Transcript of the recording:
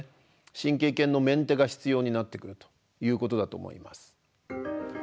神経系のメンテが必要になってくるということだと思います。